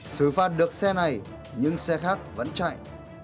sử phạt được xe này nhưng xe khác vẫn chạy